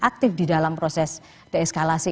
aktif di dalam proses deeskalasi